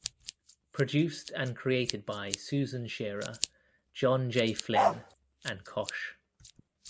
Produced and created by Susan Shearer, John J. Flynn and Kosh.